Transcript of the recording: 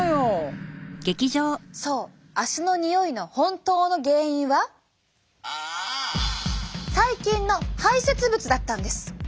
そう足のにおいの本当の原因は細菌の排せつ物だったんです。